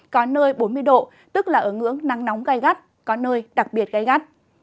có nơi bốn mươi độ tức là ở ngưỡng nắng nóng gai gắt có nơi đặc biệt gây gắt